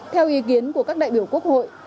theo ý kiến của các đại biểu quốc hội